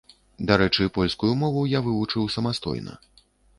Дарэчы, польскую мову я вывучыў самастойна.